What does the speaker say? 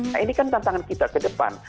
nah ini kan tantangan kita ke depan